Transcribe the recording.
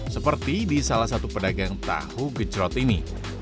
seperti di salah satu pedagang tahu gecrot ini